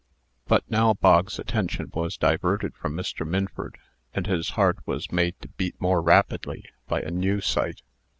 But now Bog's attention was diverted from Mr. Minford, and his heart was made to beat more rapidly by a new sight.